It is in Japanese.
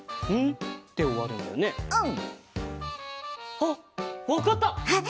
うん。あっわかった！